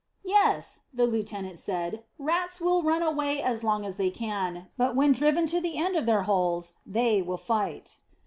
"Yes," the lieutenant said, "rats will run away as long as they can, but when driven to the end of their holes they will fight."